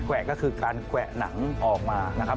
แวะก็คือการแกวะหนังออกมานะครับ